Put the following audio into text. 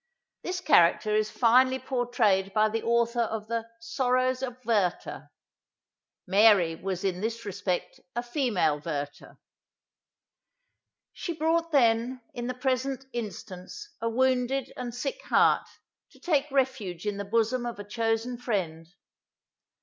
This character is finely pourtrayed by the author of the Sorrows of Werter. Mary was in this respect a female Werter. She brought then, in the present instance, a wounded and sick heart, to take refuge in the bosom of a chosen friend.